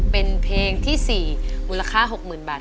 เป็นเพลงที่๔มูลค่า๖๐๐๐บาท